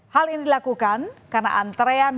hal ini dilakukan karena antrean